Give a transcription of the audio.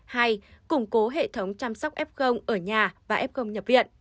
hai củng cố hệ thống chăm sóc f ở nhà và f công nhập viện